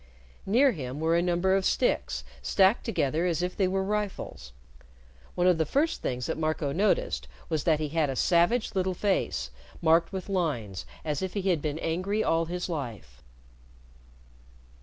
Near him were a number of sticks stacked together as if they were rifles. One of the first things that Marco noticed was that he had a savage little face marked with lines as if he had been angry all his life.